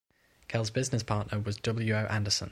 Kell's business partner was W. O. Anderson.